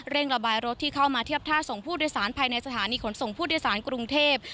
ระบายรถที่เข้ามาเทียบท่าส่งผู้โดยสารภายในสถานีขนส่งผู้โดยสารกรุงเทพ